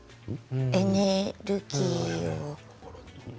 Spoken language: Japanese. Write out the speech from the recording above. エネルギーを。